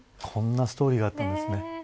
こんなストーリーがあったんですね。